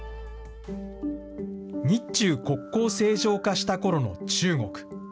日中国交正常化したころの中国。